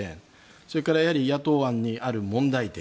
それから野党案にある問題点。